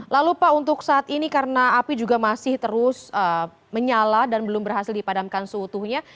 lalu pak untuk saat ini karena api juga masih terus menyala dan belum berhasil dipadamkan seutuhnya